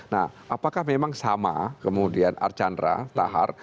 nah apakah memang sama kemudian archandra tahar